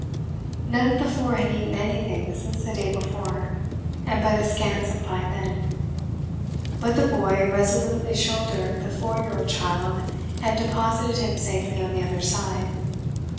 None of the four had eaten anything since the day before, and but a scant supply then; but the boy resolutely shouldered the four year old child and deposited him safely on the other side.